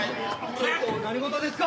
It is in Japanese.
ちょっと何事ですか？